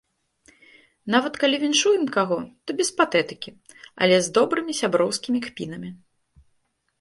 Нават калі віншуем каго, то без патэтыкі, але з добрымі сяброўскімі кпінамі.